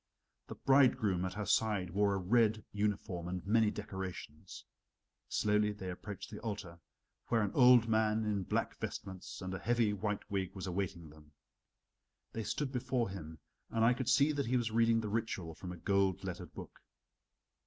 The bridegroom at her side wore a red uniform and many decorations. Slowly they approached the altar, where an old man in black vestments and a heavy white wig was awaiting them. They stood before him, and I could see that he was reading the ritual from a gold lettered book.